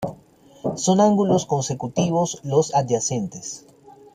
Son ángulos consecutivos los adyacentes.